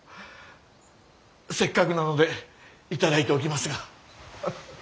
せっかくなので頂いておきますが。